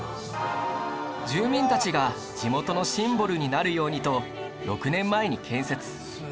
住民たちが地元のシンボルになるようにと６年前に建設